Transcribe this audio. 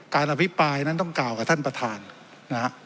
อภิปรายนั้นต้องกล่าวกับท่านประธานนะฮะ